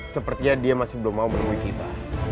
sepertinya dia masih belum mau menemui kita